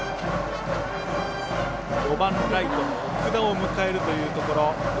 ４番ライトの奥田を迎えるというところ。